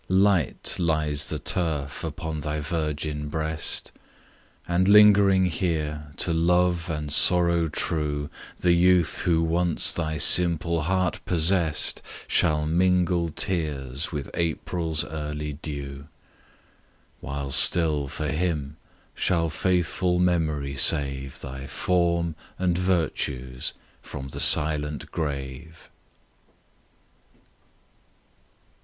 Light lies the turf upon thy virgin breast; And lingering here, to love and sorrow true, The youth who once thy simple heart possest Shall mingle tears with April's early dew; While still for him shall faithful Memory save Thy form and virtues from the silent grave.